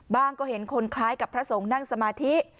ก็เห็นคนคล้ายกับพระสงฆ์นั่งสมาธิ